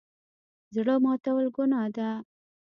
زړه ماتول ګناه ده